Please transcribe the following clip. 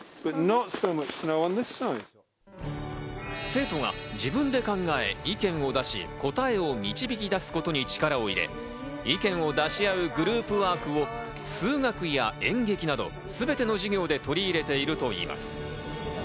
生徒が自分で考え、意見を出し、答えを導き出すことに力を入れ、意見を出し合うグループワークを数学や演劇など、すべての授業で取り入れているといいます。